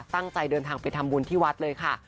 ตั้งใจเดินทางไปทำบุญที่วัดเลยค่ะ